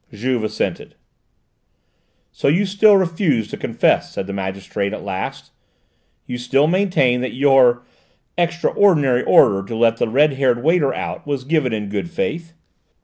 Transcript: Juve assented.... "So you still refuse to confess?" said the magistrate at last. "You still maintain that your extraordinary order to let the red haired waiter out, was given in good faith?"